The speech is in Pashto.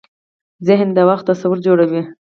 ذهن د وخت تصور جوړوي.